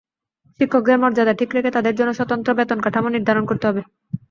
শিক্ষকদের মর্যাদা ঠিক রেখে তাঁদের জন্য স্বতন্ত্র বেতনকাঠামো নির্ধারণ করতে হবে।